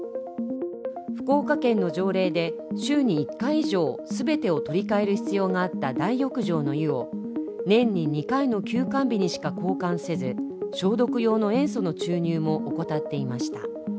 福岡県の条例で週に１回以上全てを取り替える必要があった大浴場の湯を年に２回の休館日にしか交換せず、消毒用の塩素の注入も怠っていました。